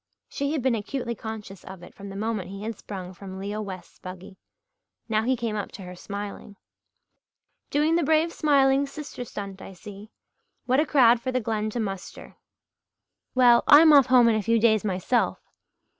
She had been acutely conscious of it from the moment he had sprung from Leo West's buggy. Now he came up to her smiling. "Doing the brave smiling sister stunt, I see. What a crowd for the Glen to muster! Well, I'm off home in a few days myself."